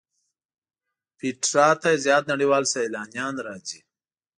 پېټرا ته زیات نړیوال سیلانیان راځي.